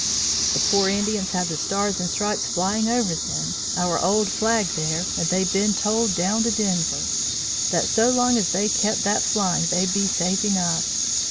"'The pore Indians had the Stars and Stripes flying over them, our old flag thar, and they'd bin told down to Denver, that so long as they kept that flying they'd be safe enough.